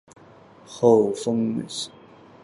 后奉旨输送万石米抵达陕西赈灾。